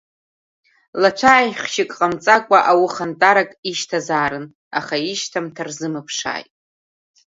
Лацәааихьшьык ҟамҵаӡакәа аухантәарак ишьҭазаарын, аха ишьҭамҭ рзымԥшааит.